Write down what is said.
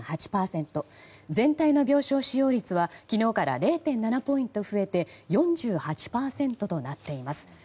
全体の病床使用率は昨日から０．７ポイント増えて４８％となっています。